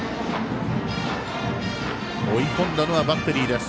追い込んだのはバッテリーです。